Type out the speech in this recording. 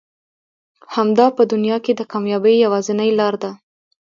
همدا په دنيا کې د کاميابي يوازنۍ لاره ده.